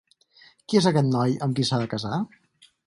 Qui és aquest noi amb qui s'ha de casar?